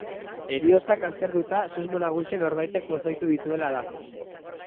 Heriotzak aztertuta susmo nagusia norbaitek pozoitu dituela da.